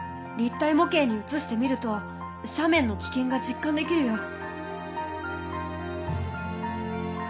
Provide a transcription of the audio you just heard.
立体模型にうつしてみると斜面の危険が実感できるよ。